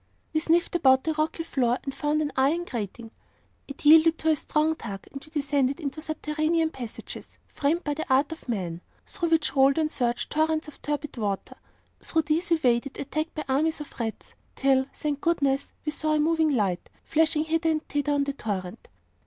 We sniffed about the rocky floor, and found an iron grating. It yielded to a strong tug, and we descended into subterranean passages, framed by the art of men, through which rolled and surged torrents of turbid water. Through these we waded, attacked by armies of rats, till, thank goodness! we saw a moving light, flashing hither and thither on the torrent.